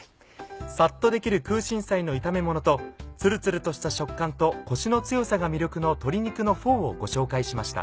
サッとできる空心菜の炒めものとツルツルとした食感とコシの強さが魅力の「鶏肉のフォー」をご紹介しました。